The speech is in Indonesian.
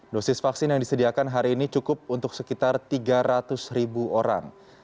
dosis vaksin yang disediakan hari ini cukup untuk sekitar tiga ratus ribu orang